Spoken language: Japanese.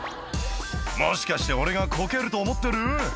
「もしかして俺がこけると思ってる？」